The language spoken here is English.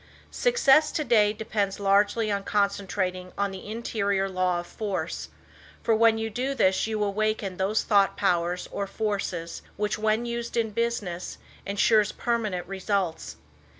Success to day depends largely on concentrating on the Interior law of force, for when you do this you awaken those thought powers or forces, which, when used in business, insures permanent results.